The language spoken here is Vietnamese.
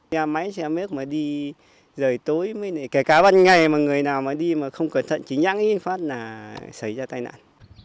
nhà máy xe mếp mà đi rời tối kẻ cá ban ngày mà người nào mà đi mà không cẩn thận chỉ nhắn ý phát là xảy ra tai nạn